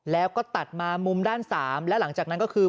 แล้วก็ตัดมามุมด้าน๓และหลังจากนั้นก็คือ